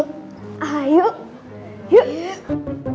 udah gak usah pikirin itu